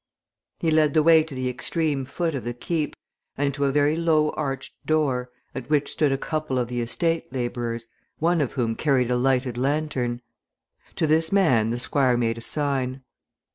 He led the way to the extreme foot of the Keep, and to a very low arched door, at which stood a couple of the estate labourers, one of whom carried a lighted lantern. To this man the Squire made a sign.